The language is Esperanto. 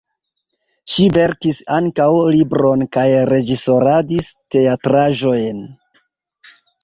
Ŝi verkis ankaŭ libron kaj reĝisoradis teatraĵojn.